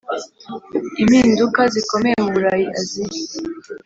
impinduka zikomeye mu burayi, aziya